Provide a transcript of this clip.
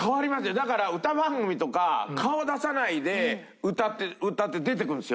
だから歌番組とか顔出さないで歌って出てくるんですよ